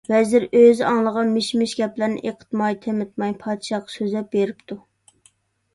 ۋەزىر ئۆزى ئاڭلىغان مىش-مىش گەپلەرنى ئېقىتماي-تېمىتماي پادىشاھقا سۆزلەپ بېرىپتۇ.